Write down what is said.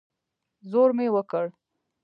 زور مې وکړ.